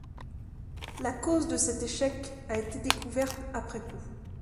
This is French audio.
La cause de cet échec a été découverte après coup.